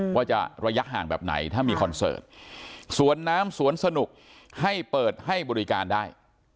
ว่าจะระยะห่างแบบไหนถ้ามีคอนเสิร์ตสวนน้ำสวนสนุกให้เปิดให้บริการได้